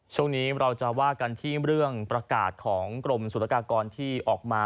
ช่วงนี้เราจะว่ากันที่เรื่องประกาศของกรมศุลกากรที่ออกมา